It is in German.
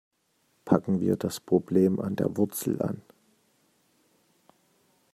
Packen wir das Problem an der Wurzel an.